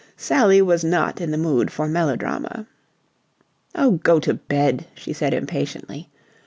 Sally was not in the mood for melodrama. "Oh, go to bed," she said impatiently.